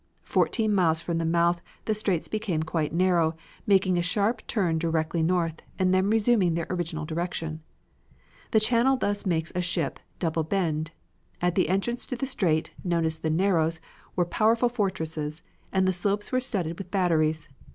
Fourteen miles from the mouth the straits become quite narrow, making a sharp turn directly north and then resuming their original direction. The channel thus makes a sharp double bend. At the entrance to the strait, known as the Narrows, were powerful fortresses, and the slopes were studded with batteries.